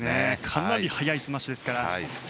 かなり速いスマッシュなので。